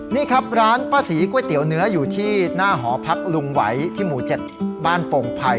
นี่ครับร้านป้าศรีก๋วยเตี๋ยวเนื้ออยู่ที่หน้าหอพักลุงไหวที่หมู่๗บ้านโป่งภัย